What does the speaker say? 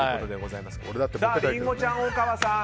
りんごちゃん、大川さん